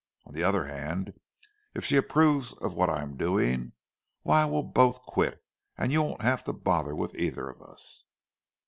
On the other hand, if she approves of what I'm doing, why we'll both quit, and you won't have to bother with either of us."